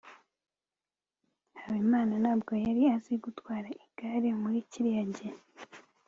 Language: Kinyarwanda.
habimana ntabwo yari azi gutwara igare muri kiriya gihe